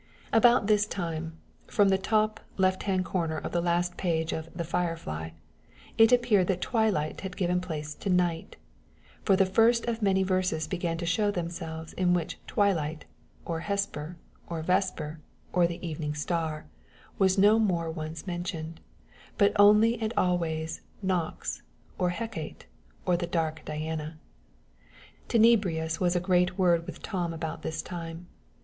About this time, from the top, left hand corner of the last page of "The Firefly," it appeared that Twilight had given place to Night; for the first of many verses began to show themselves, in which Twilight, or Hesper, or Vesper, or the Evening Star, was no more once mentioned, but only and al ways Nox, or Hecate, or the dark Diana. Tenebrious was a great word with Tom about this time.